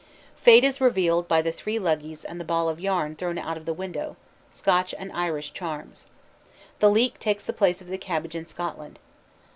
_ Fate is revealed by the three luggies and the ball of yarn thrown out of the window: Scotch and Irish charms. The leek takes the place of the cabbage in Scotland.